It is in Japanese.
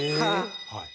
はい。